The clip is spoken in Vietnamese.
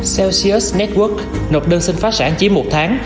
celsius network nộp đơn xin phá sản chỉ một tháng